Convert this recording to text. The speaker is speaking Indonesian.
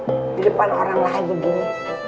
gak baik di depan orang lain begini